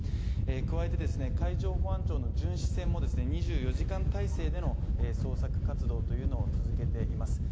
加えてですね海上保安庁の巡視船もですね２４時間体制での捜索活動というのを続けています